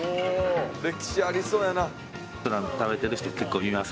歴史ありそうやな。